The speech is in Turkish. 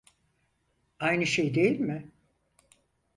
Aynı şey değil mi?